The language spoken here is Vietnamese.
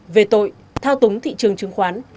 về tội thao túng thị trường chứng khoán